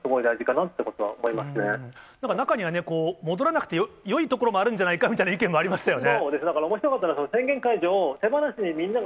なんか中には戻らなくてよいところもあるんじゃないかみたいな意見もありましたよね。